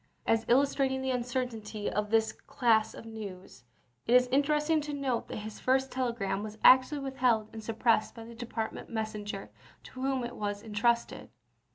As illustrating the uncertainty of this class of news, it is interesting to note that his first telegram was actually withheld and suppressed by the de partment messenger to whom it was intrusted.